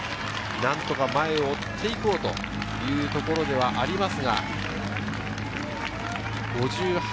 何とか前を追って行こうというところではあります。